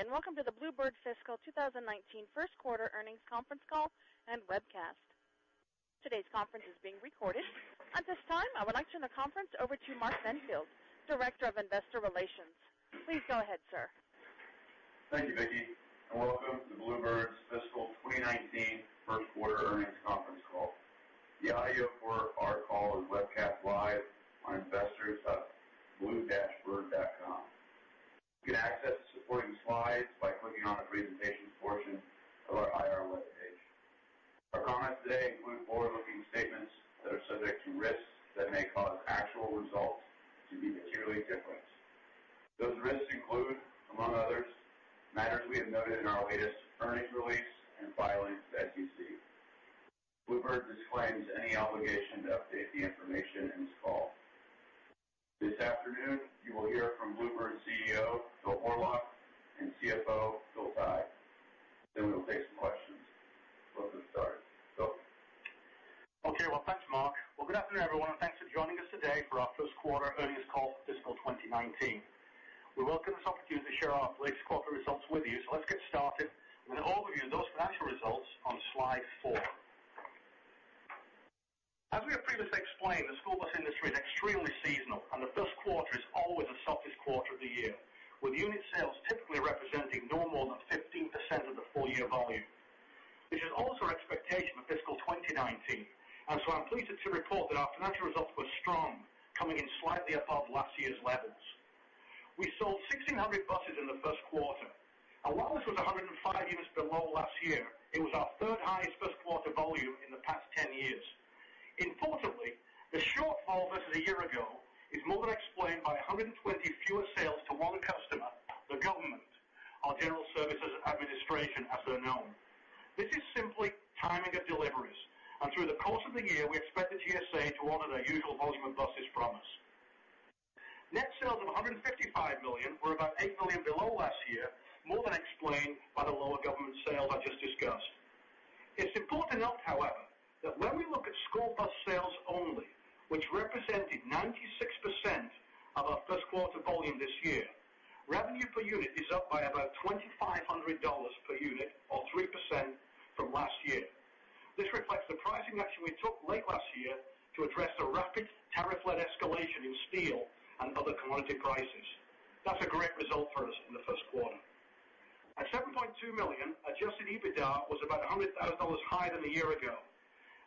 Good day. Welcome to the Blue Bird Fiscal 2019 first quarter earnings conference call and webcast. Today's conference is being recorded. At this time, I would like to turn the conference over to Mark Benfield, Director of Investor Relations. Please go ahead, sir. Thank you, Vicki. Welcome to Blue Bird's Fiscal 2019 first quarter earnings conference call. The audio for our call is webcast live on investors.blue-bird.com. You can access the supporting slides by clicking on the presentations portion of our IR web page. Our comments today include forward-looking statements that are subject to risks that may cause actual results to be materially different. Those risks include, among others, matters we have noted in our latest earnings release and filings with the SEC. Blue Bird disclaims any obligation to update the information in this call. This afternoon, you will hear from Blue Bird's CEO, Phil Horlock, and CFO, Phil Tighe. We will take some questions. Let's get started. Phil? Thanks, Mark. Good afternoon, everyone. Thanks for joining us today for our first-quarter earnings call for Fiscal 2019. We welcome this opportunity to share our latest quarter results with you. Let's get started with an overview of those financial results on slide four. As we have previously explained, the school bus industry is extremely seasonal. The first quarter is always the softest quarter of the year, with unit sales typically representing no more than 15% of the full-year volume. This is also our expectation for Fiscal 2019. I'm pleased to report that our financial results were strong, coming in slightly above last year's levels. We sold 1,600 buses in the first quarter. While this was 105 units below last year, it was our third highest first quarter volume in the past 10 years. Importantly, the shortfall versus a year ago is more than explained by 120 fewer sales to one customer, the government, our General Services Administration, as they're known. This is simply timing of deliveries. Through the course of the year, we expect the GSA to honor their usual volume of buses promised. Net sales of $155 million were about $8 million below last year, more than explained by the lower government sales I just discussed. It's important to note, however, that when we look at school bus sales only, which represented 96% of our first quarter volume this year, revenue per unit is up by about $2,500 per unit or 3% from last year. This reflects the pricing action we took late last year to address the rapid tariff-led escalation in steel and other commodity prices. That's a great result for us in the first quarter. At $7.2 million, adjusted EBITDA was about $100,000 higher than a year ago.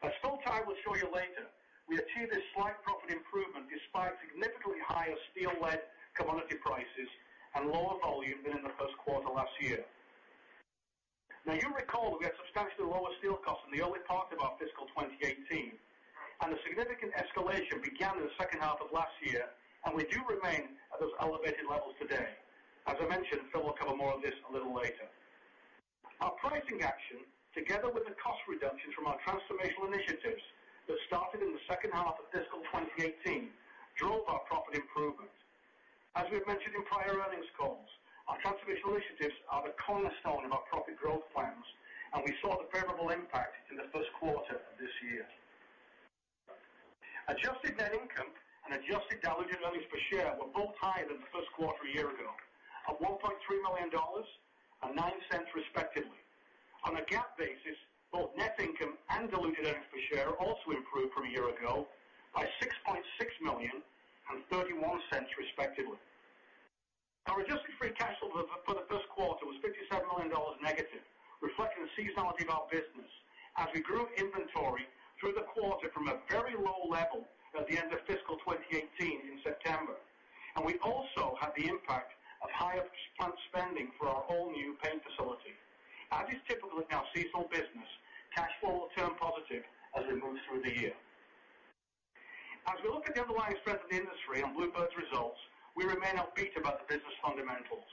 As Phil Tighe will show you later, we achieved this slight profit improvement despite significantly higher steel-led commodity prices and lower volume than in the first quarter last year. You'll recall we had substantially lower steel costs in the early part of our fiscal 2018, the significant escalation began in the second half of last year, and we do remain at those elevated levels today. As I mentioned, Phil will cover more of this a little later. Our pricing action, together with the cost reductions from our transformational initiatives that started in the second half of fiscal 2018, drove our profit improvement. As we've mentioned in prior earnings calls, our transformational initiatives are the cornerstone of our profit growth plans, and we saw the favorable impact in the first quarter of this year. Adjusted net income and adjusted diluted earnings per share were both higher than the first quarter a year ago, at $1.3 million and $0.09 respectively. On a GAAP basis, both net income and diluted earnings per share also improved from a year ago by $6.6 million and $0.31 respectively. Our adjusted free cash flow for the first quarter was $57 million negative, reflecting the seasonality of our business as we grew inventory through the quarter from a very low level at the end of fiscal 2018 in September. We also had the impact of higher plant spending for our all-new paint facility. As is typical with our seasonal business, cash flow will turn positive as it moves through the year. As we look at the underlying strength of the industry and Blue Bird's results, we remain upbeat about the business fundamentals.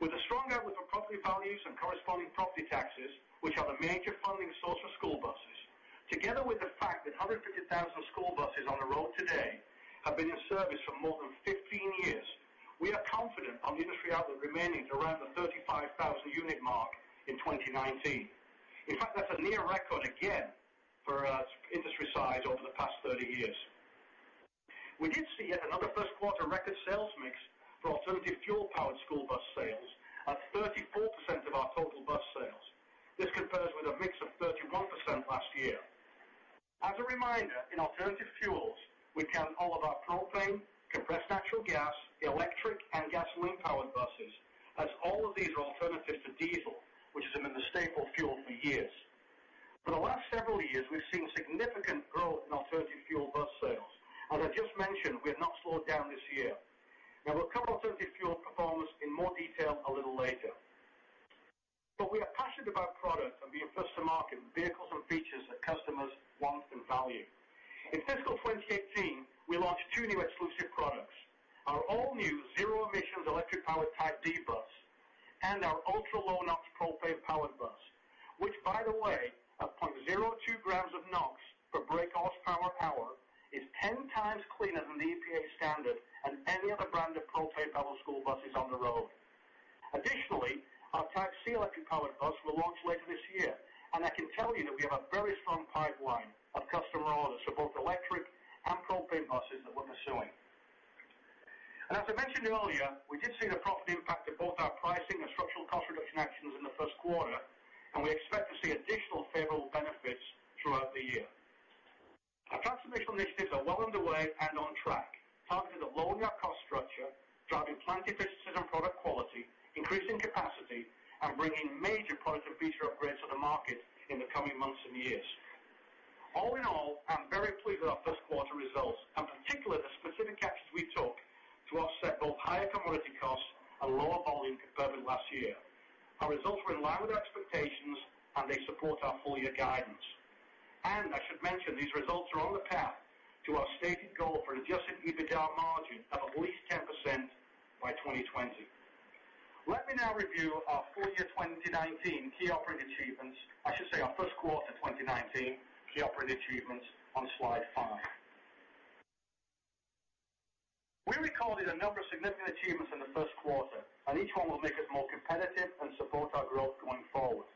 With the strong outlook for property values and corresponding property taxes, which are the major funding source for school buses, together with the fact that 150,000 school buses on the road today have been in service for more than 15 years, we are confident on the industry outlook remaining around the 35,000 unit mark in 2019. In fact, that's a near record again for our industry size over the past 30 years. We did see yet another first-quarter record sales mix for alternative fuel-powered school bus sales at 34% of our total bus sales. This compares with a mix of 31% last year. As a reminder, in alternative fuels, we count all of our propane, compressed natural gas, electric, and gasoline-powered buses, as all of these are alternatives to diesel, which has been the staple fuel for years. For the last several years, we've seen significant growth in alternative fuel bus sales. As I just mentioned, we have not slowed down this year. We'll cover alternative fuel performance in more detail a little later. We are passionate about product and being first to market with vehicles and features that customers want and value. In fiscal 2018, we launched two new exclusive products, our all-new zero emissions electric-powered Type D bus and our ultra-low NOx propane-powered bus, which by the way, at 0.02 grams of NOx per brake horsepower is 10 times cleaner than the EPA standard and any other brand of propane-powered school buses on the road. Additionally, our Type C electric-powered bus will launch later this year, and I can tell you that we have a very strong pipeline of customer orders for both electric and propane buses that we're pursuing. As I mentioned earlier, we did see the profit impact of both our pricing and structural cost reduction actions in the first quarter, and we expect to see additional favorable benefits throughout the year. Our transformational initiatives are well underway and on track, targeted at lowering our cost structure, driving plant efficiencies and product quality, increasing capacity, and bringing major product and feature upgrades to the market in the coming months and years. All in all, I'm very pleased with our first quarter results and particularly the specific actions we took to offset both higher commodity costs and lower volume compared with last year. Our results were in line with our expectations, and they support our full-year guidance. I should mention, these results are on the path to our stated goal for an adjusted EBITDA margin of at least 10% by 2020. Let me now review our full year 2019 key operating achievements. I should say our first quarter 2019 key operating achievements on slide five. We recorded a number of significant achievements in the first quarter, and each one will make us more competitive and support our growth going forward.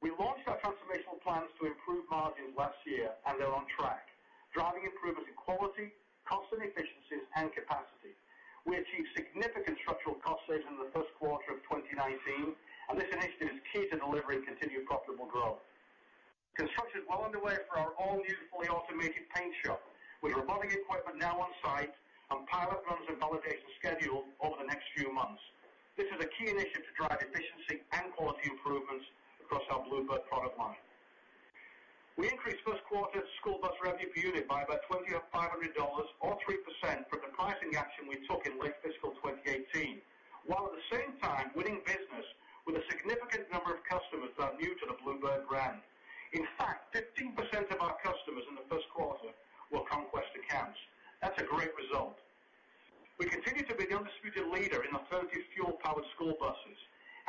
We launched our transformational plans to improve margins last year, and they're on track, driving improvements in quality, cost and efficiencies, and capacity. We achieved significant structural cost savings in the first quarter of 2019, and this initiative is key to delivering continued profitable growth. Construction is well underway for our all-new fully automated paint shop, with robotic equipment now on site and pilot runs and validation scheduled over the next few months. This is a key initiative to drive efficiency and quality improvements across our Blue Bird product line. We increased first quarter school bus revenue per unit by about $2,500 or 3% from the pricing action we took in late fiscal 2018, while at the same time winning business with a significant number of customers that are new to the Blue Bird brand. In fact, 15% of our customers in the first quarter were conquest accounts. That's a great result. We continue to be the undisputed leader in alternative fuel-powered school buses.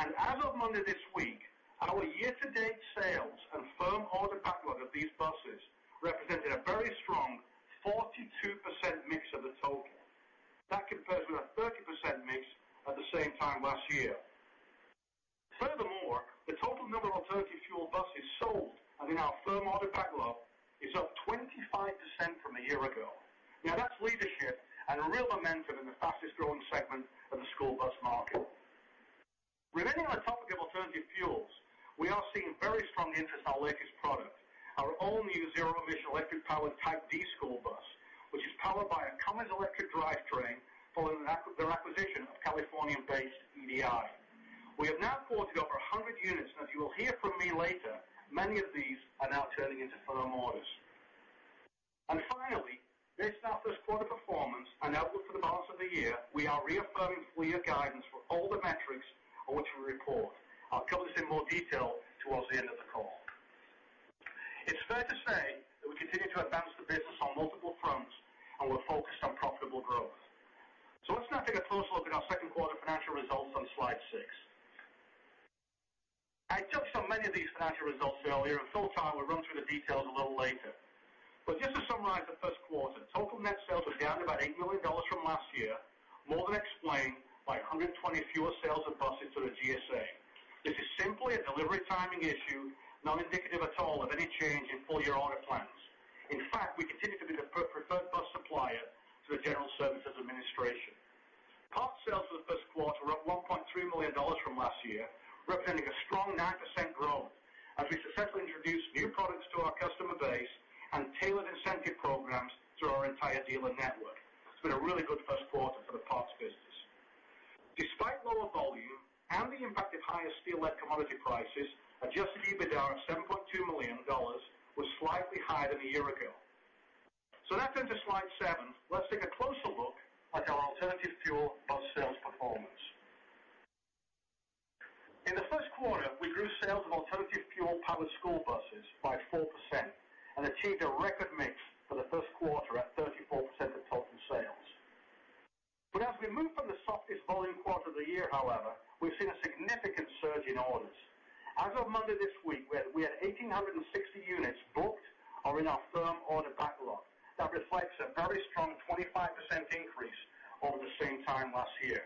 As of Monday this week, our year-to-date sales and firm order backlog of these buses represented a very strong 42% mix of the total. That compares with a 30% mix at the same time last year. Furthermore, the total number of alternative fuel buses sold and in our firm order backlog is up 25% from a year ago. That's leadership and real momentum in the fastest growing segment of the school bus market. Remaining on the topic of alternative fuels, we are seeing very strong interest in our latest product, our all-new zero emission electric-powered Type D school bus, which is powered by a Cummins electric drivetrain following their acquisition of Californian-based EDI. We have now quoted over 100 units, and as you will hear from me later, many of these are now turning into firm orders. Finally, based on our first quarter performance and outlook for the balance of the year, we are reaffirming full year guidance for all the metrics I want to report. I'll cover this in more detail towards the end of the call. It's fair to say that we continue to advance the business on multiple fronts, and we're focused on profitable growth. Let's now take a closer look at our second quarter financial results on slide six. I touched on many of these financial results earlier, and Phil and I will run through the details a little later. Just to summarize the first quarter, total net sales was down about $8 million from last year, more than explained by 120 fewer sales of buses to the GSA. This is simply a delivery timing issue, not indicative at all of any change in full-year order plans. In fact, we continue to be the preferred bus supplier to the General Services Administration. Parts sales for the first quarter were up $1.3 million from last year, representing a strong 9% growth as we successfully introduced new products to our customer base and tailored incentive programs to our entire dealer network. It's been a really good first quarter for the parts business. Despite lower volume and the impact of higher steel and commodity prices, adjusted EBITDA of $7.2 million was slightly higher than a year ago. Now turning to slide seven, let's take a closer look at our alternative fuel bus sales performance. In the first quarter, we grew sales of alternative fuel-powered school buses by 4% and achieved a record mix for the first quarter at 34% of total sales. As we move from the softest volume quarter of the year, however, we've seen a significant surge in orders. As of Monday this week, we had 1,860 units booked or in our firm order backlog. That reflects a very strong 25% increase over the same time last year.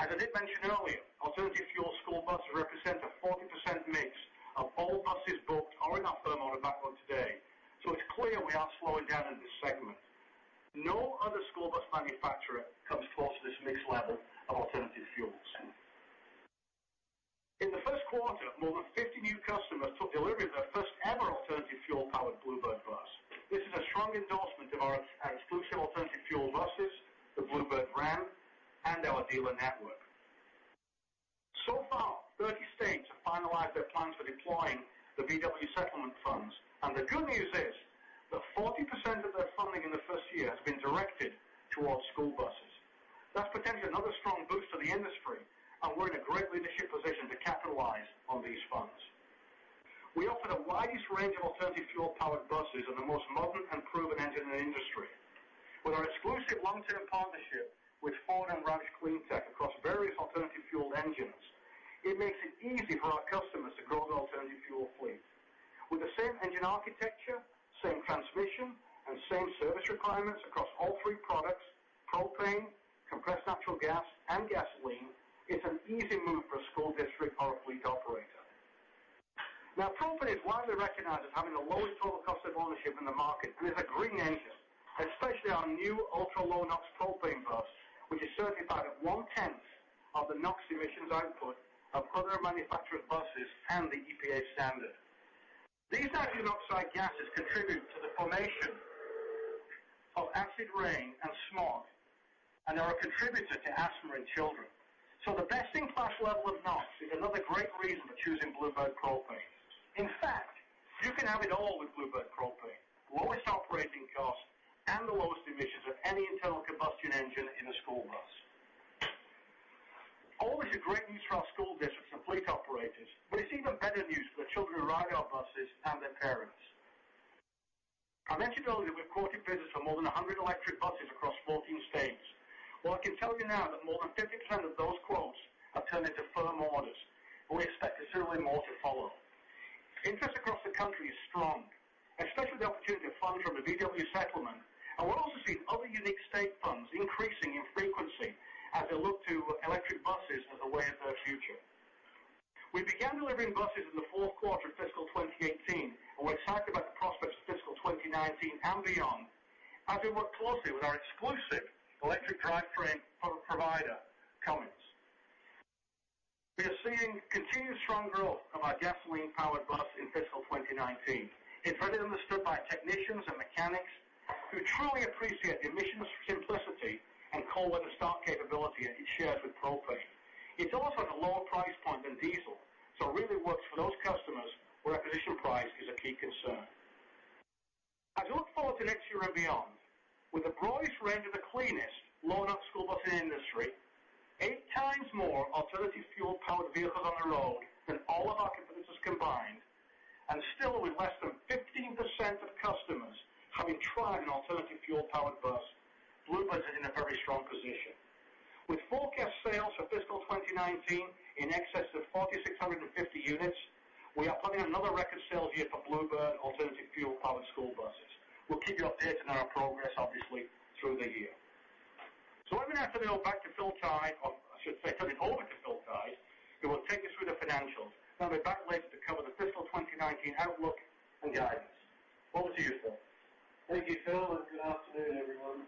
As I did mention earlier, alternative fuel school buses represent a 40% mix of all buses booked or in our firm order backlog today, it's clear we are slowing down in this segment. No other school bus manufacturer comes close to this mix level of alternative fuels. In the first quarter, more than 50 new customers took delivery of their first ever alternative fuel-powered Blue Bird bus. This is a strong endorsement of our exclusive alternative fuel buses, the Blue Bird brand, and our dealer network. So far, 30 states have finalized their plans for deploying the VW settlement funds, the good news is that 40% of their funding in the first year has been directed towards school buses. That's potentially another strong boost to the industry, we're in a great leadership position to capitalize on these funds. We offer the widest range of alternative fuel-powered buses and the most modern and proven engine in the industry. With our exclusive long-term partnership with Ford and ROUSH CleanTech across various alternative fuel engines, it makes it easy for our customers to grow their alternative fuel fleet. With the same engine architecture, same transmission, and same service requirements across all three products, propane, compressed natural gas, and gasoline, it's an easy move for a school district or a fleet operator. Propane is widely recognized as having the lowest total cost of ownership in the market and is a green engine, especially our new ultra-low NOx propane bus, which is certified at one-tenth of the NOx emissions output of other manufacturer buses and the EPA standard. These nitrogen oxide gases contribute to the formation of acid rain and smog, and they are a contributor to asthma in children. The best-in-class level of NOx is another great reason for choosing Blue Bird propane. In fact, you can have it all with Blue Bird propane, the lowest operating cost and the lowest emissions of any internal combustion engine in a school bus. All is great news for our school districts and fleet operators, but it's even better news for the children who ride our buses and their parents. I mentioned earlier we've quoted business for more than 100 electric buses across 14 states. I can tell you now that more than 50% of those quotes have turned into firm orders. We expect considerably more to follow. Interest across the country is strong, especially the opportunity of funds from the VW settlement, and we're also seeing other unique state funds increasing in frequency as they look to electric buses as a way of their future. We began delivering buses in the fourth quarter of fiscal 2018, and we're excited about the prospects of fiscal 2019 and beyond as we work closely with our exclusive electric drivetrain provider, Cummins. We are seeing continued strong growth of our gasoline-powered bus in fiscal 2019. It's really understood by technicians and mechanics who truly appreciate the emissions simplicity and cold weather start capability that it shares with propane. It's also at a lower price point than diesel, so it really works for those customers where acquisition price is a key concern. As we look forward to next year and beyond, with the broadest range of the cleanest low NOx school bus in the industry, eight times more alternative fuel powered vehicles on the road than all of our competitors combined, and still with less than 15% of customers having tried an alternative fuel powered bus, Blue Bird is in a very strong position. With forecast sales for fiscal 2019 in excess of 4,650 units, we are planning another record sales year for Blue Bird alternative fuel powered school buses. We'll keep you updated on our progress, obviously, through the year. I'm going to hand it over to Phil Tighe, who will take you through the financials. I'll be back later to cover the fiscal 2019 outlook and guidance. Over to you, Phil. Thank you, Phil, and good afternoon, everyone.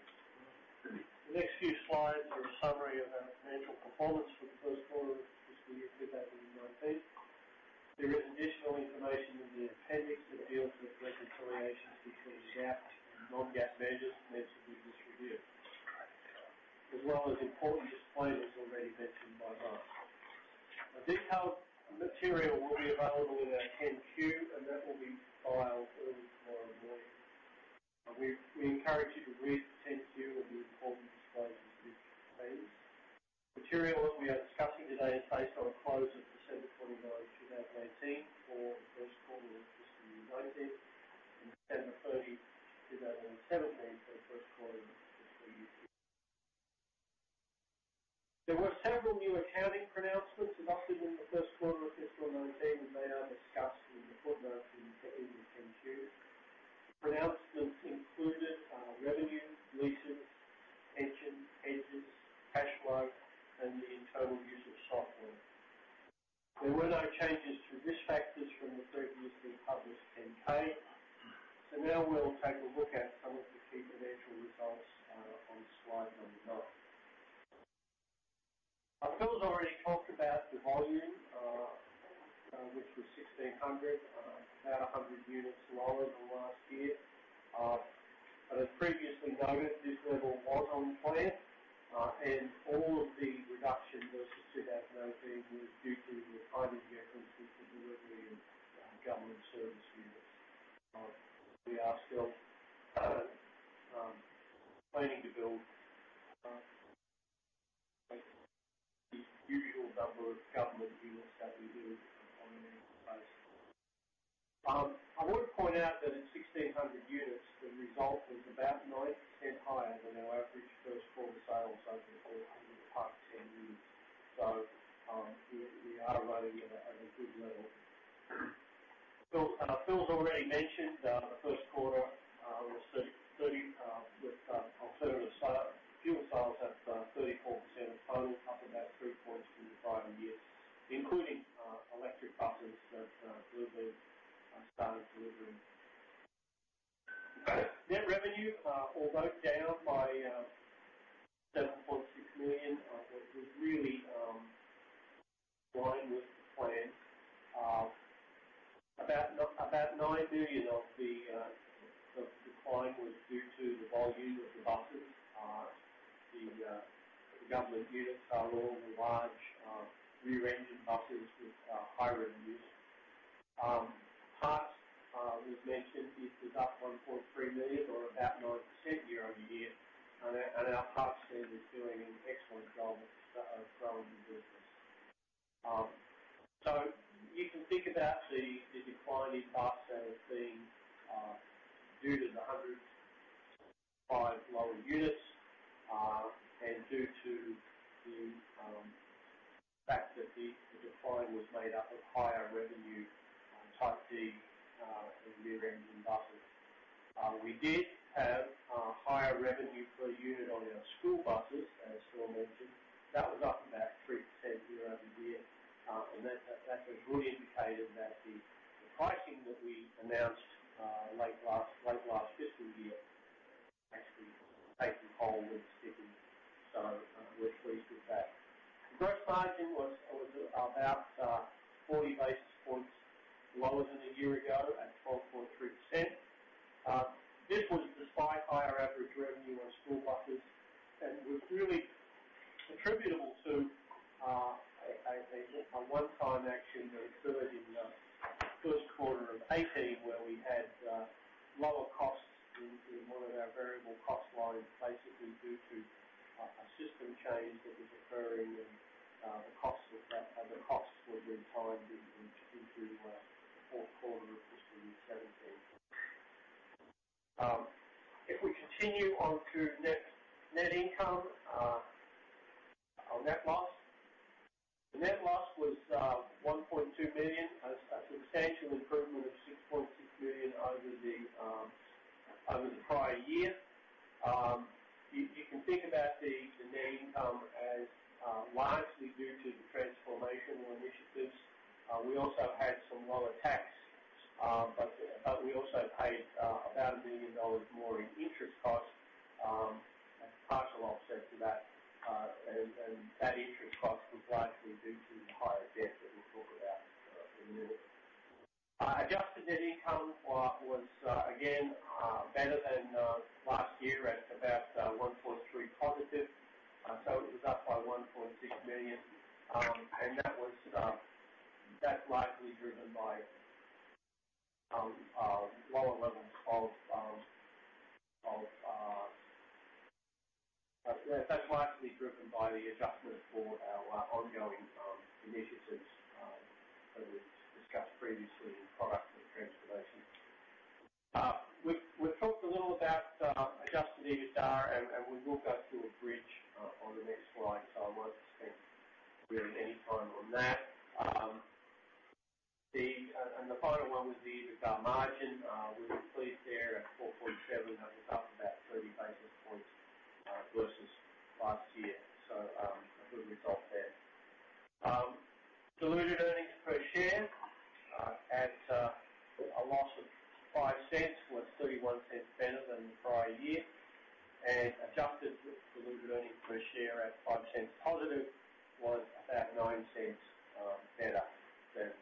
The next few slides are a summary of our financial performance for the first quarter of fiscal year 2019. There is additional information in the appendix that deals with reconciliations between GAAP and non-GAAP measures meant to be distributed, as well as important disclaimers already mentioned by Rob. This material will be available in our 10-Q, and that will be filed early tomorrow morning. We encourage you to read the 10-Q and the important disclosures which it contains. Material that we are discussing today is based on a close of December 29, 2018, for the first quarter of fiscal year 2019, and December 30, 2017, for the first quarter of fiscal year 2018. There were several new accounting pronouncements adopted in the first quarter of fiscal 2019, and they are discussed in the footnotes and the Appendix 10-Q. Pronouncements included are revenue, leases, pension, leases, cash flow, and the internal use of software. There were no changes to risk factors from the previously published 10-K. Now we'll take a look at some of the key financial results on slide number nine. Phil's already talked about the volume, which was 1,600, about 100 units lower than last year. As previously noted, this level was on plan, and all of the reduction versus 2018 was due to the timing differences with the delivery of government service units. We are still planning to build the usual number of government units that we do on an annual basis. I want to point out that in 1,600 units, the result was about 9% higher than our average first quarter sales over the past 10 years. We are running at a good level. Phil's already mentioned the first quarter with alternative fuel sales at 34% of total, up about three points from the prior year, including electric buses that Blue Bird started delivering. Net revenue, although down by $7.6 million, was really in line with the plan. About $9 million of the decline was due to the volume of the buses. The government units are all the large rear-engine buses with higher revenues. Parts, as mentioned, is up $1.3 million or about 9% year-over-year. Our parts team is doing an excellent job of growing the business. You can think about the decline in parts sales being due to the 105 lower units, and due to the fact that the decline was made up of higher revenue on Type D and rear-engine buses. We did have higher revenue per unit on our school buses, as Phil mentioned. That was up about 3% year-over-year, and that's a good indicator that the pricing that we announced late last fiscal year actually taken hold and sticking. We're pleased with that. Gross margin was about 40 basis points lower than a year ago at 12.3%. This was despite higher average revenue on school buses and was really attributable to a one-time action that occurred in the first quarter of 2018, where we had lower costs in one of our variable cost lines, basically due to a system change that was occurring and the costs were then timed into the fourth quarter of fiscal year 2017. If we continue on to net income or net loss. The net loss was $1.2 million, a substantial improvement of $6.6 million over the prior year. You can think about the net income as largely due to the transformational initiatives. We also had some lower tax, but we also paid about $1 million more in interest costs, a partial offset to that, and that interest cost was largely due to the higher debt that we'll talk about in a minute. Adjusted net income was again better than last year at about $1.3 positive. It was up by $1.6 million. That's largely driven by the adjustment for our ongoing initiatives that we discussed previously, product and transformation. We've talked a little about adjusted EBITDA, and we will go through a bridge on the next slide. I won't spend really any time on that. The final one was the EBITDA margin. We were pleased there at 4.7%. That was up about 30 basis points versus last year. A good result there. Diluted earnings per share at a loss of $0.05 was $0.31 better than the prior year. Adjusted diluted earnings per share at $0.05 positive was about $0.09 better than the prior year.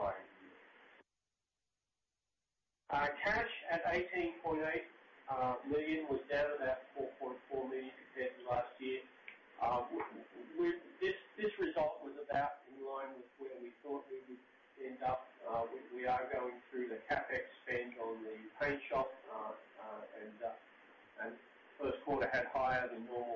Our cash at $18.8 million was down about $4.4 million compared to last year. This result was about in line with where we thought we would end up. We are going through the CapEx spend on the paint shop, and first quarter had higher than normal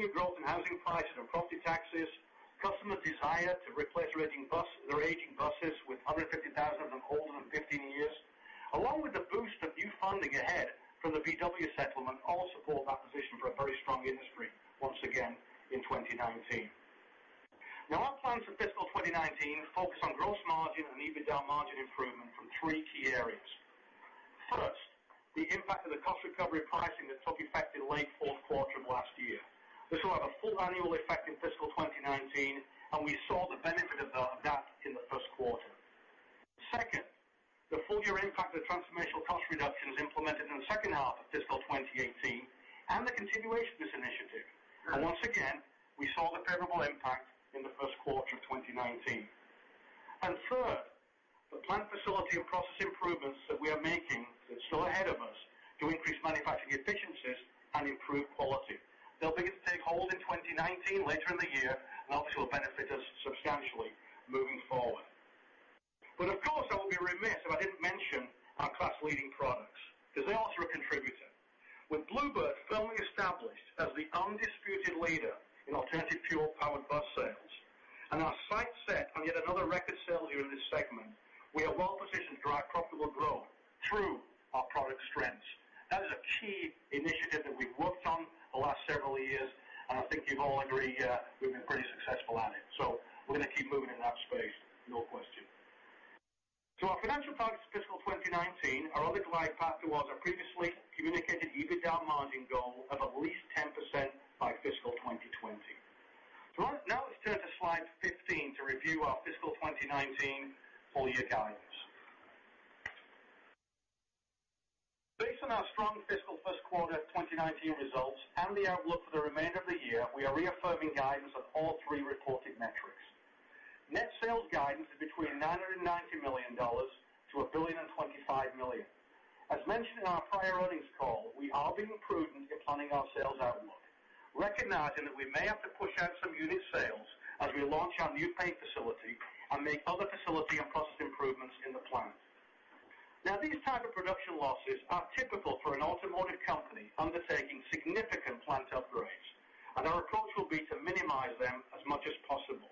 Let's turn to slide 14. With the recent industry running at between 34,000-35,000 units annually, we are at a 30-year high, and we do anticipate another strong year in fiscal 2019, with the industry, again, around 35,000 units. As we look at the reasons for that, continued growth in housing prices and property taxes, customers' desire to replace their aging buses, with 150,000 of them older than 15 years, along with the boost of new funding ahead from the VW settlement, all support that position for a very strong industry once again in 2019. Our plans for fiscal 2019 focus on gross margin and EBITDA margin improvement from three key areas. First, the impact of the cost recovery pricing that took effect in late fourth quarter of last year. This will have a full annual effect in fiscal 2019, and we saw the benefit of that in the first quarter. Second, the full-year impact of the transformational cost reductions implemented in the second half of fiscal 2018 and the continuation of this initiative. Once again, we saw the favorable impact in the first quarter of 2019. Third, the plant facility and process improvements that we are making that's still ahead of us to increase manufacturing efficiencies and improve quality. They'll begin to take hold in 2019, later in the year, and ultimately will benefit us substantially moving forward. Of course, I would be remiss if I didn't mention our class-leading products because they also are a contributor. With Blue Bird firmly established as the undisputed leader in alternative fuel-powered bus sales and our sights set on yet another record sales year in this segment, we are well positioned to drive profitable growth through our product strengths. That is a key initiative that we've worked on the last several years, and I think you'd all agree, we've been pretty successful at it. We're going to keep moving in that space. No question. Our financial targets for fiscal 2019, are on the glide path towards our previously communicated EBITDA margin goal of at least 10% by fiscal 2020. Now let's turn to slide 15 to review our fiscal 2019 full year guidance. Based on our strong fiscal first quarter 2019 results and the outlook for the remainder of the year, we are reaffirming guidance on all three reported metrics. Net sales guidance is between $990 million-$1,025 million. As mentioned in our prior earnings call, we are being prudent in planning our sales outlook, recognizing that we may have to push out some unit sales as we launch our new paint facility and make other facility and process improvements in the plant. These type of production losses are typical for an automotive company undertaking significant plant upgrades, and our approach will be to minimize them as much as possible.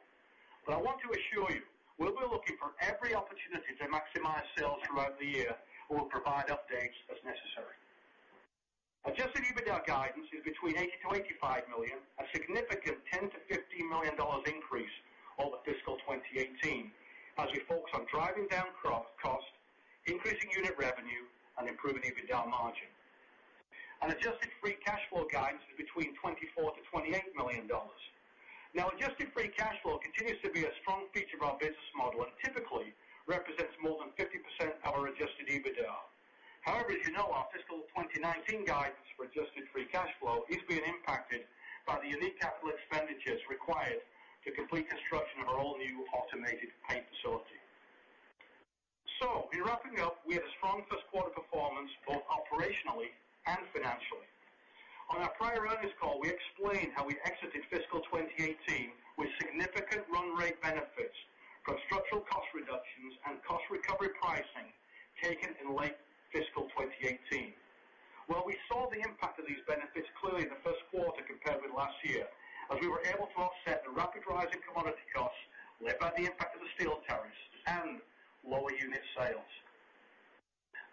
I want to assure you, we'll be looking for every opportunity to maximize sales throughout the year. We'll provide updates as necessary. Adjusted EBITDA guidance is between $80 million-$85 million, a significant $10 million-$15 million increase over fiscal 2018 as we focus on driving down costs, increasing unit revenue, and improving EBITDA margin. Adjusted free cash flow guidance is between $24 million-$28 million. Adjusted free cash flow continues to be a strong feature of our business model and typically represents more than 50% of our adjusted EBITDA. However, as you know, our fiscal 2019 guidance for adjusted free cash flow is being impacted by the unique capital expenditures required to complete construction of our all-new automated paint facility. In wrapping up, we had a strong first quarter performance both operationally and financially. On our prior earnings call, we explained how we exited fiscal 2018 with significant run rate benefits from structural cost reductions and cost recovery pricing taken in late fiscal 2018. We saw the impact of these benefits clearly in the first quarter compared with last year, as we were able to offset the rapid rise in commodity costs led by the impact of the steel tariffs and lower unit sales.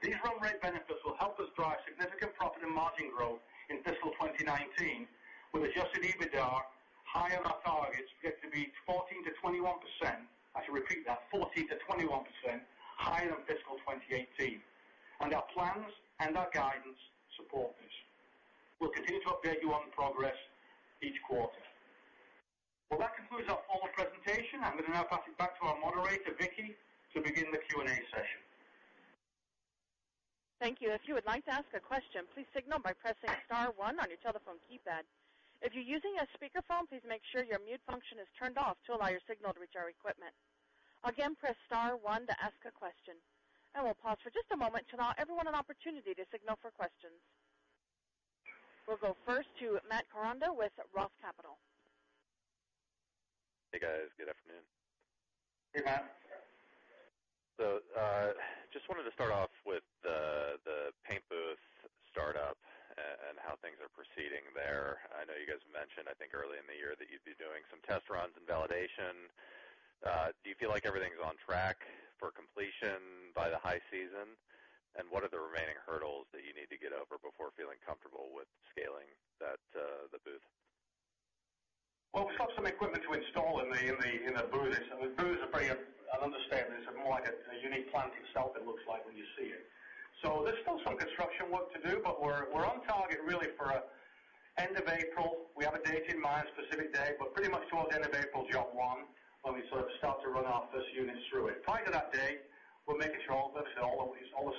These run rate benefits will help us drive significant profit and margin growth in fiscal 2019, with adjusted EBITDA higher than our targets, projected to be 14%-21%. I should repeat that, 14%-21% higher than fiscal 2018. Our plans and our guidance support this. We'll continue to update you on progress each quarter. Well, that concludes our formal presentation. I'm going to now pass it back to our moderator, Vicky, to begin the Q&A session. Thank you. If you would like to ask a question, please signal by pressing star one on your telephone keypad. If you're using a speakerphone, please make sure your mute function is turned off to allow your signal to reach our equipment. Again, press star one to ask a question. I will pause for just a moment to allow everyone an opportunity to signal for questions. We'll go first to Matt Koranda with ROTH Capital. Hey, guys. Good afternoon. Hey, Matt. Just wanted to start off with the paint booth startup and how things are proceeding there. I know you guys mentioned, I think early in the year, that you'd be doing some test runs and validation. Do you feel like everything's on track for completion by the high season? What are the remaining hurdles that you need to get over before feeling comfortable with scaling the booth? Well, we've got some equipment to install in the booth. The booth is a very I understand it's more like a unique plant itself, it looks like when you see it. There's still some construction work to do, but we're on target really for end of April. We have a date in mind, specific day, but pretty much towards the end of April is your one when we sort of start to run our first units through it. Prior to that date, we're making sure all the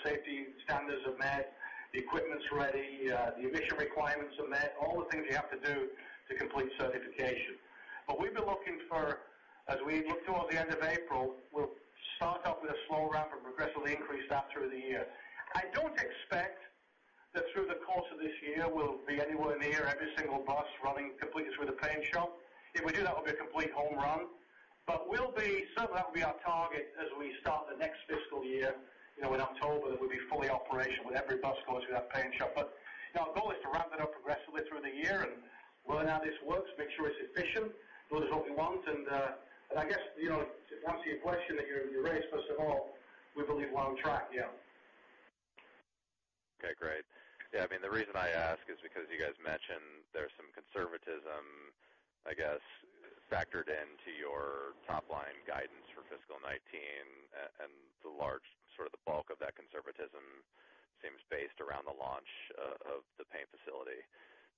safety standards are met, the equipment's ready, the emission requirements are met, all the things you have to do to complete certification. We've been looking for, as we look towards the end of April, we'll start up with a slow ramp and progressively increase that through the year. I don't expect that through the course of this year, we'll be anywhere near every single bus running completely through the paint shop. If we do, that will be a complete home run. Certainly that will be our target as we start the next fiscal year. In October, we'll be fully operational with every bus going through that paint shop. Our goal is to ramp it up aggressively through the year and learn how this works, make sure it's efficient, build us what we want. I guess, to answer your question that you raised first of all, we believe we're on track, yeah. Okay, great. Yeah, the reason I ask is because you guys mentioned there's some conservatism, I guess, factored into your top-line guidance for fiscal 2019, the large sort of the bulk of that conservatism seems based around the launch of the paint facility.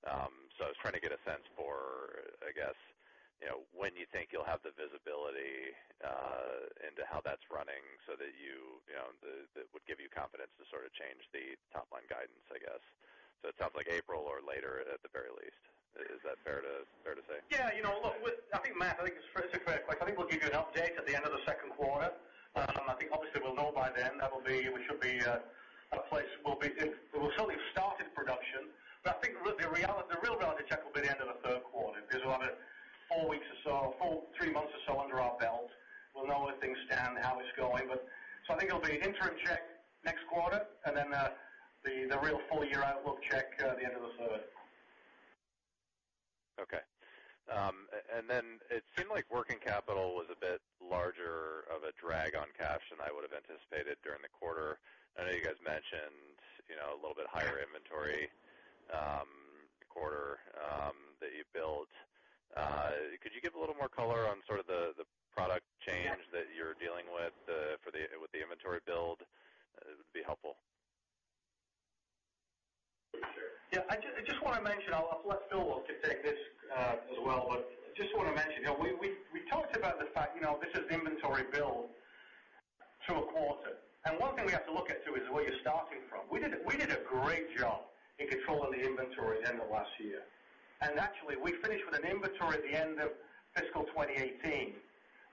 I was trying to get a sense for, I guess, when you think you'll have the visibility into how that's running so that would give you confidence to sort of change the top-line guidance, I guess. It sounds like April or later at the very least. Is that fair to say? Yeah. Look, I think, Matt, I think it's a fair question. I think we'll give you an update at the end of the second quarter. I think obviously we'll know by then. We will certainly have started production. I think the real reality check will be at the end of the third quarter because we'll have three months or so under our belt. We'll know where things stand, how it's going. I think it'll be an interim check next quarter, and then the real full year outlook check at the end of the third. Okay. It seemed like working capital was a bit larger of a drag on cash than I would have anticipated during the quarter. I know you guys mentioned a little bit higher inventory quarter that you built. Could you give a little more color on sort of the product change that you're dealing with the inventory build? It would be helpful. Yeah. I just want to mention, I'll let Phil take this as well, we talked about the fact this is inventory build through a quarter. One thing we have to look at, too, is where you're starting from. We did a great job in controlling the inventory at the end of last year. Actually, we finished with an inventory at the end of fiscal 2018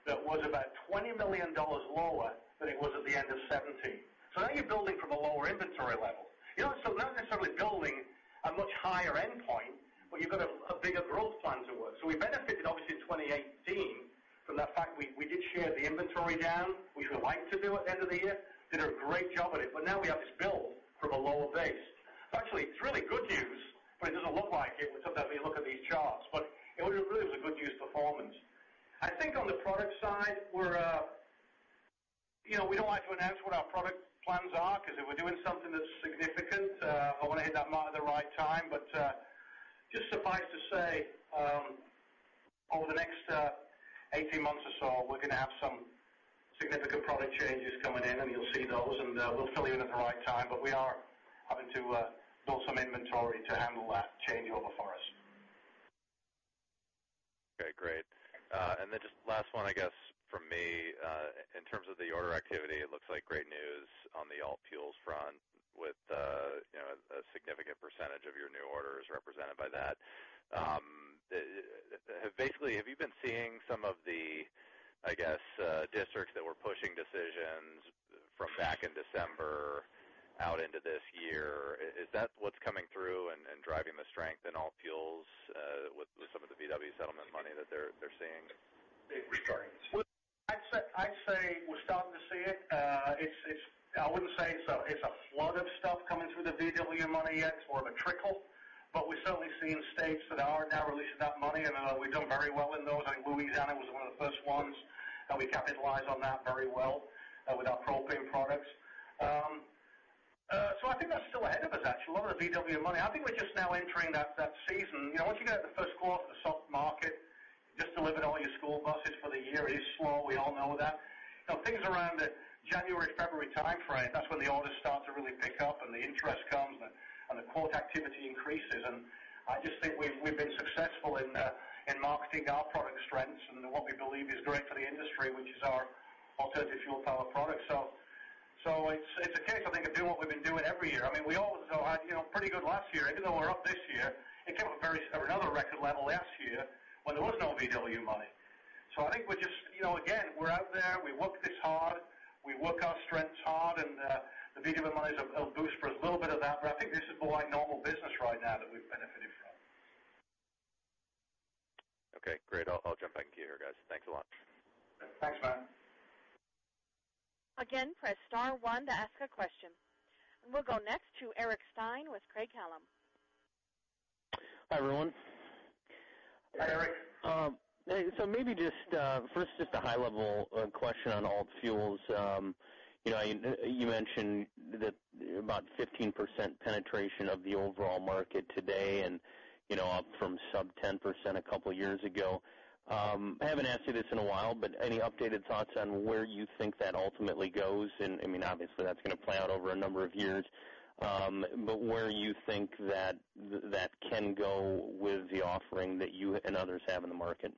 that was about $20 million lower than it was at the end of 2017. Now you're building from a lower inventory level. Not necessarily building a much higher endpoint, but you've got a bigger growth plan to work. We benefited obviously in 2018 from that fact we did shave the inventory down, we like to do at the end of the year, did a great job at it. Now we have this build from a lower base. Actually, it's really good news, but it doesn't look like it sometimes when you look at these charts. It really was a good-use performance. I think on the product side, we don't like to announce what our product plans are because if we're doing something that's significant, I want to hit that mark at the right time. Just suffice to say, over the next 18 months or so, we're going to have some significant product changes coming in, and you'll see those, and we'll fill you in at the right time. We are having to build some inventory to handle that changeover for us. Okay, great. Just last one, I guess, from me, in terms of the order activity, it looks like great news on the alt fuels front with a significant percentage of your new orders represented by that. Have you been seeing some of the, I guess, districts that were pushing decisions from back in December out into this year? Is that what's coming through and driving the strength in alt fuels with some of the Volkswagen settlement money that they're seeing? I'd say we're starting to see it. I wouldn't say it's a flood of stuff coming through the Volkswagen money yet, it's more of a trickle. We're certainly seeing states that are now releasing that money, and we've done very well in those. I think Louisiana was one of the first ones, and we capitalized on that very well with our propane products. I think that's still ahead of us, actually, a lot of the Volkswagen money. I think we're just now entering that season. Once you get out the first quarter, the soft market, just delivered all your school buses for the year is slow. We all know that. Things around the January-February time frame, that's when the orders start to really pick up, and the interest comes, and the quote activity increases. I just think we've been successful in marketing our product strengths and what we believe is great for the industry, which is our alternative fuel power product. It's a case, I think, of doing what we've been doing every year. We always had pretty good last year. Even though we're up this year, it came up very another record level last year when there was no Volkswagen money. I think we're just, again, we're out there, we work this hard, we work our strengths hard, and the Volkswagen money is a boost for a little bit of that. I think this is more like normal business right now that we've benefited from. Okay, great. I'll jump back and queue here, guys. Thanks a lot. Thanks, Matt. Again, press star one to ask a question. We'll go next to Eric Stine with Craig-Hallum. Hi, everyone. Hi, Eric. Hey, maybe just first, just a high-level question on alt fuels. You mentioned about 15% penetration of the overall market today and up from sub 10% a couple of years ago. I haven't asked you this in a while, but any updated thoughts on where you think that ultimately goes? Obviously, that's going to play out over a number of years, but where you think that can go with the offering that you and others have in the market?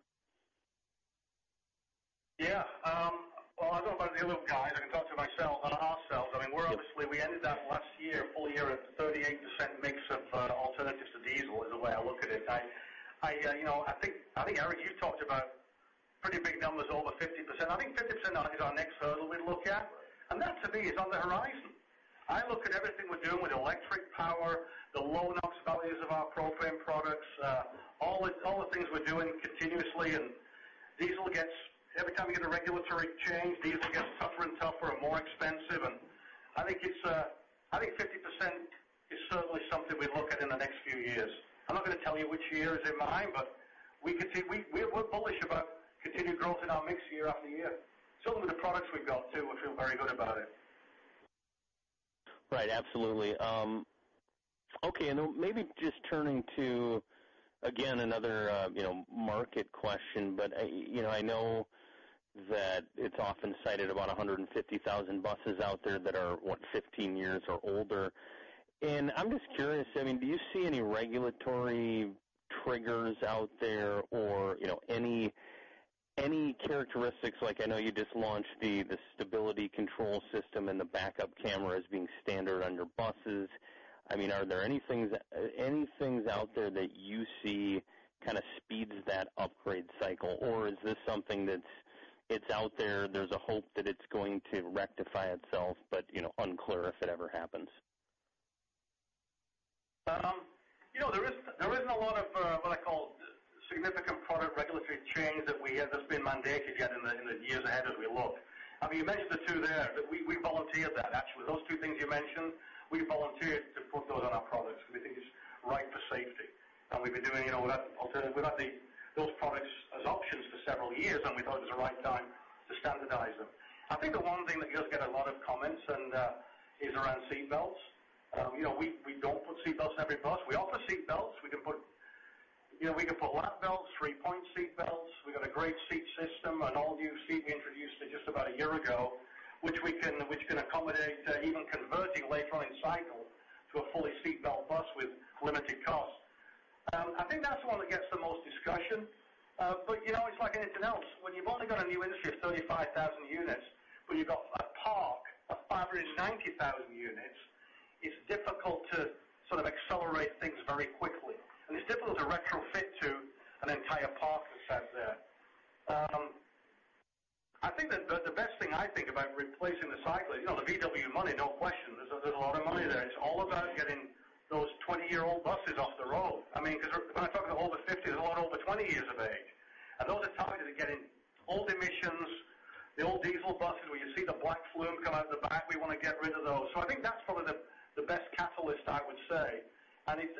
Yeah. Well, I don't know about the other guys. I can talk to myself on our sales. Obviously, we ended that last year, full year at 38% mix of alternatives to diesel is the way I look at it. I think, Eric, you've talked about pretty big numbers over 50%. I think 50% is our next hurdle we look at, and that to me is on the horizon. I look at everything we're doing with electric power, the low NOx values of our propane products, all the things we're doing continuously, and every time we get a regulatory change, diesel gets tougher and tougher and more expensive. I think 50% is certainly something we look at in the next few years. I'm not going to tell you which year is in mind, but we're bullish about continued growth in our mix year after year. Some of the products we've got, too, we feel very good about it. Right. Absolutely. Okay. Maybe just turning to, again, another market question, but I know that it's often cited about 150,000 buses out there that are, what, 15 years or older. I'm just curious, do you see any regulatory triggers out there or any characteristics like I know you just launched the stability control system and the backup camera as being standard on your buses. Are there any things out there that you see speeds that upgrade cycle, or is this something that's out there's a hope that it's going to rectify itself, but unclear if it ever happens? There isn't a lot of what I call significant product regulatory change that's been mandated yet in the years ahead as we look. We volunteered that, actually. Those two things you mentioned, we volunteered to put those on our products because we think it's right for safety. We've been doing those products as options for several years, and we thought it was the right time to standardize them. I think the one thing that does get a lot of comments is around seat belts. We don't put seat belts in every bus. We can put lap belts, three-point seat belts. We've got a great seat system, an all-new seat we introduced just about a year ago, which can accommodate even converting late-running cycle to a fully seat belt bus with limited cost. I think that's the one that gets the most discussion. It's like anything else. When you've only got a new industry of 35,000 units, when you've got a park of 590,000 units, it's difficult to accelerate things very quickly. It's difficult to retrofit to an entire park that's out there. The best thing I think about replacing the cycle is the Volkswagen money, no question. There's a lot of money there. It's all about getting those 20-year-old buses off the road. Because when I'm talking older than 50, there's a lot over 20 years of age. Those are targeted at getting old emissions, the old diesel buses, where you see the black plume come out the back, we want to get rid of those. I think that's probably the best catalyst, I would say.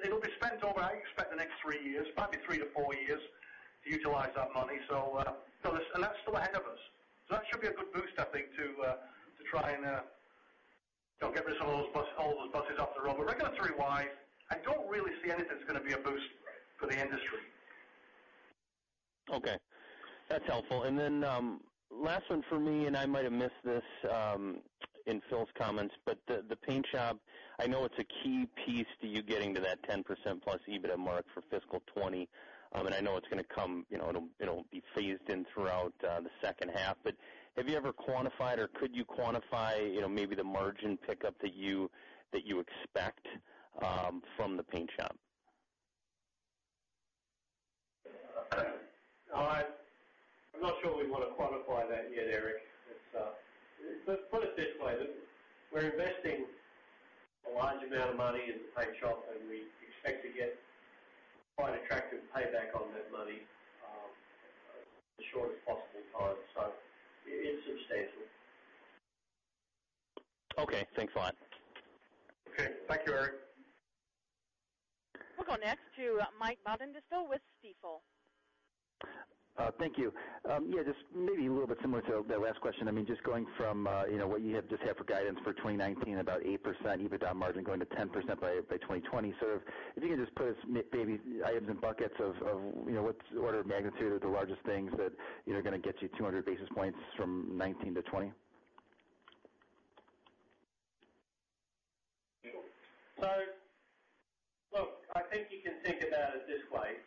It'll be spent over, I expect, the next three years, might be three to four years to utilize that money. That's still ahead of us. That should be a good boost, I think, to try and get rid of some of those buses off the road. Regulatory-wise, I don't really see anything that's going to be a boost for the industry. Okay. That's helpful. Last one from me, I might have missed this in Phil's comments, but the paint shop, I know it's a key piece to you getting to that 10%-plus EBITDA mark for fiscal 2020. I know it'll be phased in throughout the second half. Have you ever quantified or could you quantify maybe the margin pickup that you expect from the paint shop? I'm not sure we want to quantify that yet, Eric. Put it this way, we're investing a large amount of money in the paint shop, and we expect to get quite attractive payback on that money in the shortest possible time. It is substantial. Okay. Thanks a lot. Okay. Thank you, Eric. We'll go next to Mike Baudendistel with Stifel. Thank you. Just maybe a little bit similar to that last question. Just going from what you just had for guidance for 2019, about 8% EBITDA margin going to 10% by 2020. If you could just put us maybe items in buckets of what order of magnitude are the largest things that are going to get you 200 basis points from 2019 to 2020? Look, I think you can think about it this way.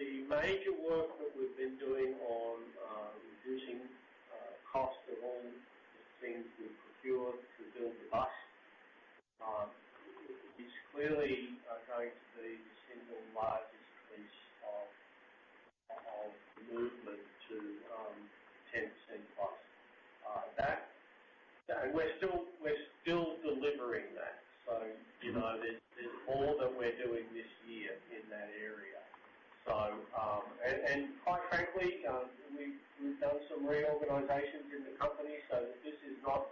The major work that we've been doing on reducing cost of all the things we procure to build the bus is clearly going to be the single largest piece of movement to 10%-plus. We're still delivering that. There's more that we're doing this year in that area. Quite frankly, we've done some reorganizations in the company, so this is not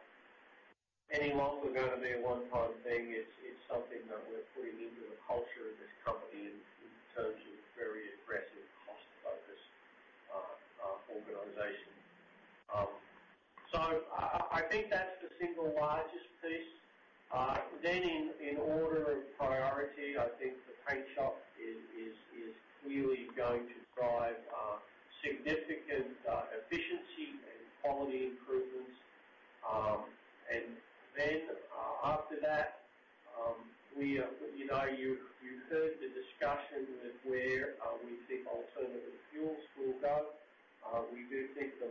any longer going to be a one-time thing. It's something that we're putting into the culture of this company in terms of very aggressive cost focus organization. I think that's the single largest piece. In order of priority, I think the paint shop is clearly going to drive significant efficiency and quality improvements. After that, you've heard the discussion of where we think alternative fuels will go. We do think the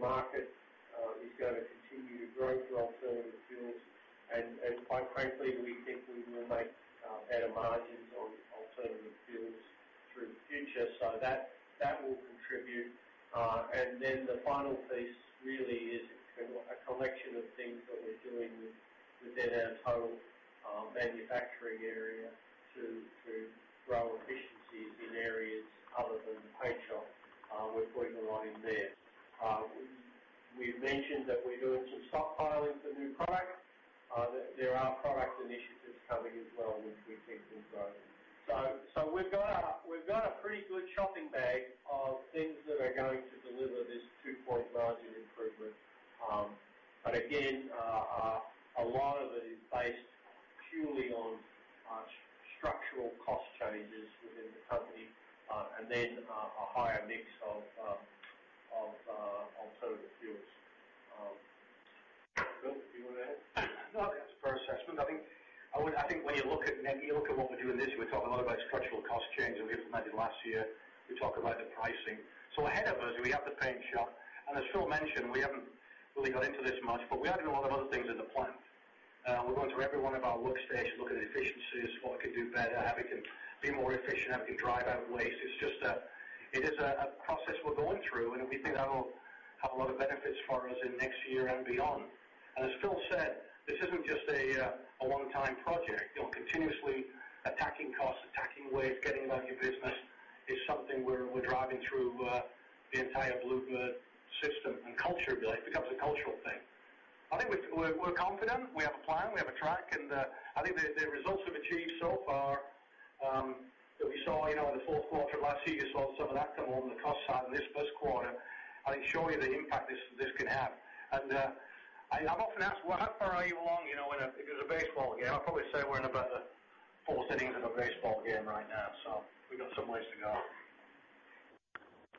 attacking costs, attacking waste, getting lean in your business is something we're driving through the entire Blue Bird system and culture, really. It becomes a cultural thing. I think we're confident. We have a plan. We have a track, and I think the results we've achieved so far that we saw in the fourth quarter. I see you saw some of that come on the cost side in this first quarter, and it shows the impact this can have. I'm often asked, how far are you along? If it was a baseball game, I'd probably say we're in about the fourth inning of a baseball game right now, so we've got some ways to go.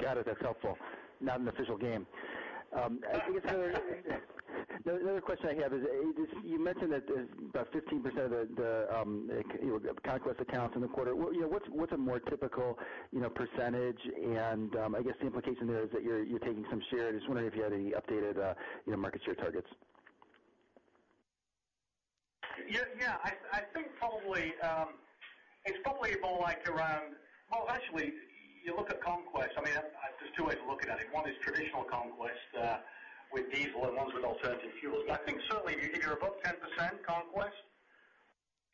Got it. That's helpful. Not an official game. The other question I have is, you mentioned that about 15% of the conquest accounts in the quarter. What's a more typical percentage? I guess the implication there is that you're taking some share. Just wondering if you had any updated market share targets. Yeah. I think it's probably more around Well, actually, you look at conquest. There's two ways of looking at it. One is traditional conquest, with diesel and ones with alternative fuels. I think certainly if you're above 10% conquest.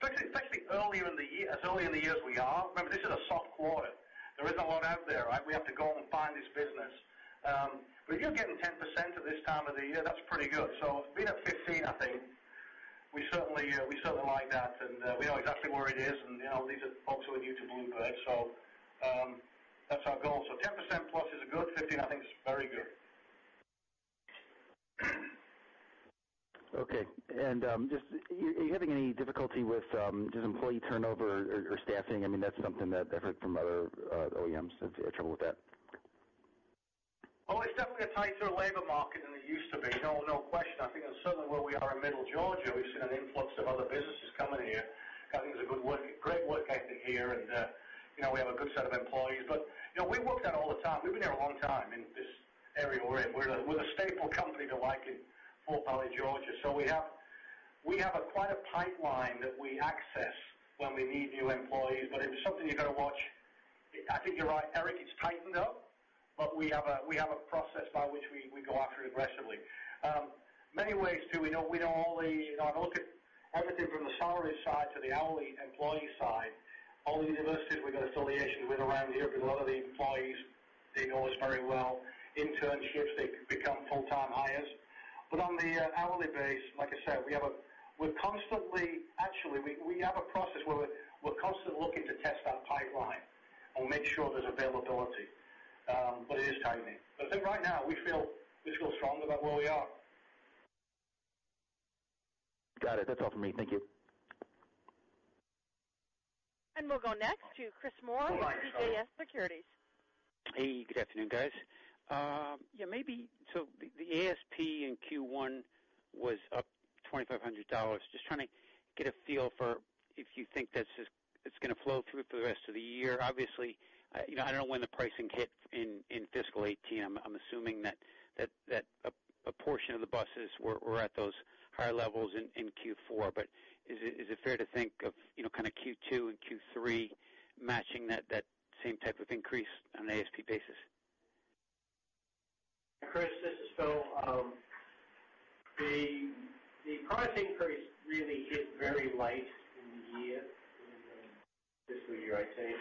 It's actually as early in the year as we are, remember, this is a soft quarter. There isn't a lot out there. We have to go out and find this business. If you're getting 10% at this time of the year, that's pretty good. Being at 15%, I think we certainly like that, and we know exactly where it is, and these are folks who are new to Blue Bird, so that's our goal. 10% plus is a good, 15%, I think is very good. Okay. Are you having any difficulty with just employee turnover or staffing? That's something that I've heard from other OEMs, they've had trouble with that. Well, it's definitely a tighter labor market than it used to be. No question. I think certainly where we are in Middle Georgia, we've seen an influx of other businesses coming here. I think there's a great work ethic here, and we have a good set of employees. We work at it all the time. We've been here a long time in this area we're in. We're the staple company to like in Fort Valley, Georgia. We have quite a pipeline that we access when we need new employees. It's something you've got to watch. I think you're right, Eric, it's tightened up, but we have a process by which we go after it aggressively. Many ways, too. I look at everything from the salary side to the hourly employee side, all the universities we've got affiliations with around here because a lot of the employees they know us very well. Internships, they become full-time hires. On the hourly base, like I said, actually, we have a process where we're constantly looking to test that pipeline or make sure there's availability. It is tightening. I think right now we feel fiscally strong about where we are. Got it. That's all for me. Thank you. We'll go next to Chris Moore with CJS Securities. Hey, good afternoon, guys. The ASP in Q1 was up $2,500. Just trying to get a feel for if you think that's just going to flow through for the rest of the year. Obviously, I don't know when the pricing hit in fiscal 2018. I'm assuming that a portion of the buses were at those higher levels in Q4. Is it fair to think of Q2 and Q3 matching that same type of increase on an ASP basis? Chris, the price increase really hit very late in the year, in fiscal year 2018. Not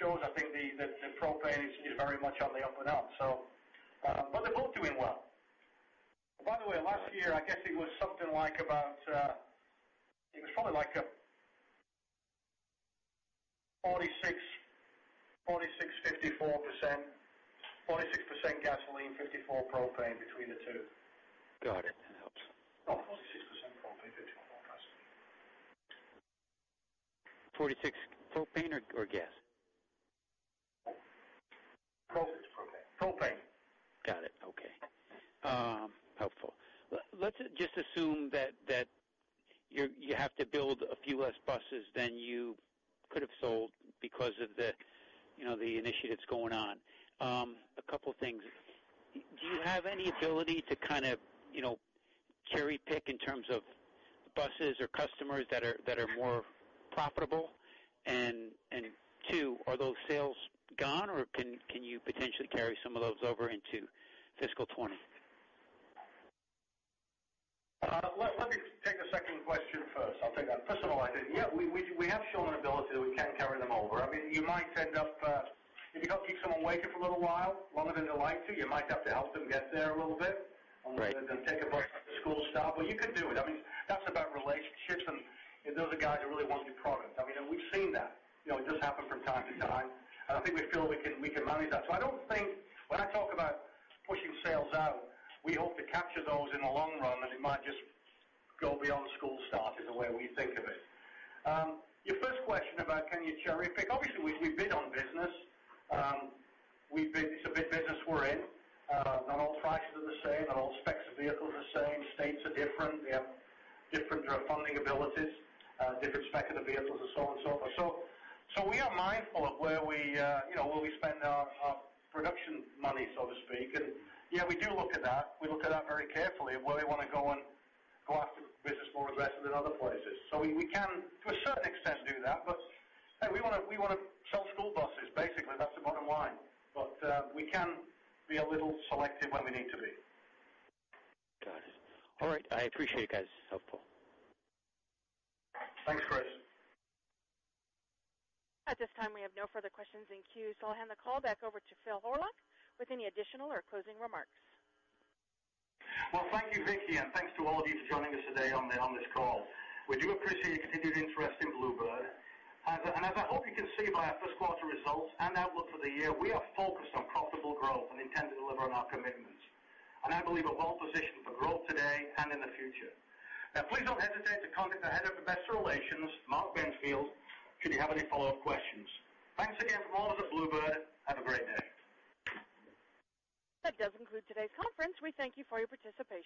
shows, I think, that the propane is very much on the up and up. They're both doing well. By the way, last year, I guess it was something like about 46%-54%. 46% gasoline, 54% propane between the two. Got it. That helps. No, 46% propane, 54% gasoline. 46% propane or gas? Propane. Got it. Okay. Helpful. Let's just assume that you have to build a few less buses than you could've sold because of the initiatives going on. A couple things. Do you have any ability to cherry pick in terms of buses or customers that are more profitable? Two, are those sales gone, or can you potentially carry some of those over into fiscal 2020? Let me take the second question first. I'll take that first. Yeah, we have shown an ability that we can carry them over. If you got to keep someone waiting for a little while, longer than they like to, you might have to help them get there a little bit. Right. Take a break at the school start, you could do it. That's about relationships, those are guys that really want your product. We've seen that. It does happen from time to time. I think we feel we can manage that. I don't think when I talk about pushing sales out, we hope to capture those in the long run, it might just go beyond school start is the way we think of it. Your first question about can you cherry pick? Obviously, we bid on business. It's a bid business we're in. Not all prices are the same, not all specs of vehicles are the same. States are different. We have different funding abilities, different spec of the vehicles, and so on and so forth. We are mindful of where we spend our production money, so to speak. Yeah, we do look at that. We look at that very carefully of where we want to go out to business more aggressive than other places. We can, to a certain extent, do that. We want to sell school buses, basically. That's the bottom line. We can be a little selective when we need to be. Got it. All right. I appreciate you guys's help. Thanks, Chris. At this time, we have no further questions in queue. I'll hand the call back over to Phil Horlock with any additional or closing remarks. Well, thank you, Vicki, and thanks to all of you for joining us today on this call. We do appreciate your continued interest in Blue Bird. As I hope you can see by our first quarter results and outlook for the year, we are focused on profitable growth and intend to deliver on our commitments. I believe we're well-positioned for growth today and in the future. Now please don't hesitate to contact the head of investor relations, Mark Benfield, should you have any follow-up questions. Thanks again from all of us at Blue Bird. Have a great day. That does conclude today's conference. We thank you for your participation.